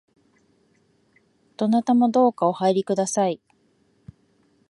どなたもどうかお入りください